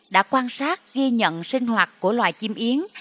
đã quan sát ghi nhận sinh hoạt của loài chim yến